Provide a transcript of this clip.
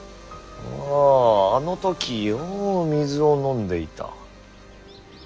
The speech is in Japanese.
あああの時よう水を飲んでいた。